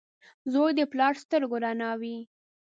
• زوی د پلار د سترګو رڼا وي.